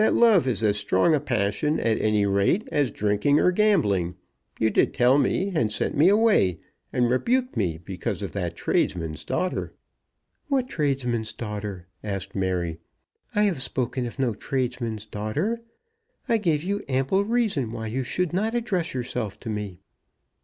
"That love is as strong a passion, at any rate, as drinking or gambling. You did tell me, and sent me away, and rebuked me because of that tradesman's daughter." "What tradesman's daughter?" asked Mary. "I have spoken of no tradesman's daughter. I gave you ample reason why you should not address yourself to me."